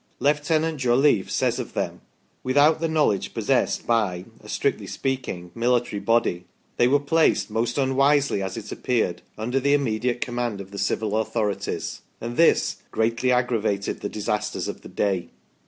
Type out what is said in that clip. Lieutenant Jolliffe says of them :" without the know ledge possessed by a (strictly speaking) military body, they were placed, most unwisely, as it appeared, under the immediate command of the civil authorities" ; and this " greatly aggravated the disasters of the day